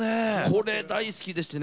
これ大好きでしてね